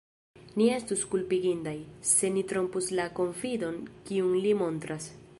Ni estus kulpigindaj, se ni trompus la konfidon, kiun li montras.